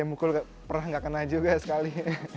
mukul pernah nggak kena juga sekali